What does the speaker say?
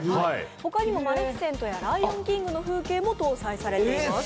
他にも「マレフィセント」や「ライオン・キング」の風景も搭載されています。